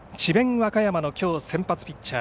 和歌山のきょう先発のピッチャー